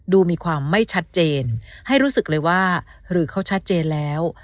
ดูมีความไม่ชัดเจนให้รู้สึกเลยว่าหรือเขาชัดเจนแล้ว